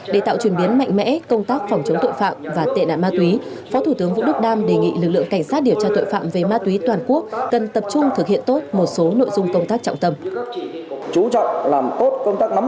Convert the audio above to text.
để tạo chuyển biến mạnh mẽ công tác phòng chống tội phạm và tệ nạn ma túy phó thủ tướng vũ đức đam đề nghị lực lượng cảnh sát điều tra tội phạm về ma túy toàn quốc cần tập trung thực hiện tốt một số nội dung công tác trọng tâm